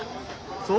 そう？